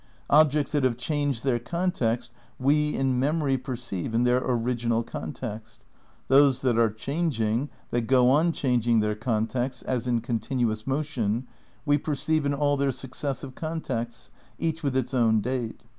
Objects that have changed their context we in mem ory perceive in their original context; those that are changing, that go on changing their contexts, as in continuous motion, we perceive in all their successive contexts, each with its own date.